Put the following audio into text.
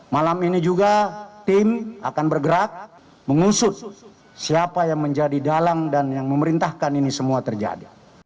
malam ini juga tim akan bergerak mengusut siapa yang menjadi dalang dan yang memerintahkan ini semua terjadi